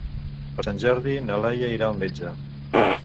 Per Sant Jordi na Laia irà al metge.